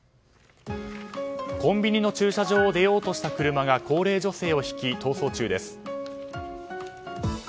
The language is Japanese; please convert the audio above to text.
コンビニの駐車場を出ようとした車が高齢女性をひき、逃走中です。